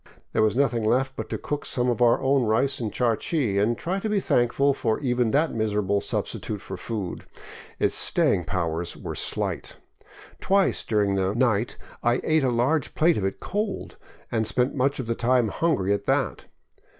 There was nothing left but to cook some of our own rice and charqui, and try to be thankful for even that miserable sub stitute for food. Its staying powers were slight. Twice during the 565 VAGABONDING DOWN THE ANDES night I ate a large plate of it cold, and spent most of the time hungry at that.